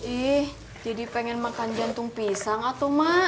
ih jadi pengen makan jantung pisang atau ma